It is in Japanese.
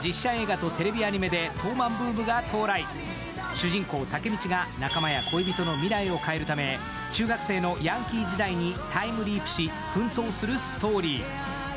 主人公タケミチが仲間や恋人の未来を変えるため、中学生のヤンキー時代にタイムリープし、奮闘するストーリー。